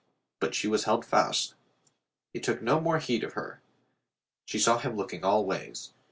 But she was held fast. He took no more heed of her. She saw him looking all ways.